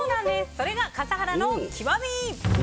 それが笠原の極み！